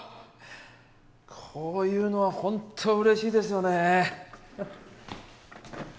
こういうのはホント嬉しいですよね